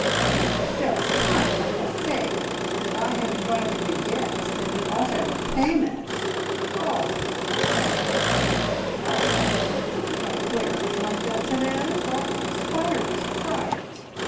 It is the first time, I must say, that I have invited a guest, and been offered a payment." "Oh! oh! oh! What will I do? Don't glare at me like that, Therese, or I'll expire with fright!